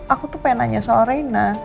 aku tuh pengen nanya soal reina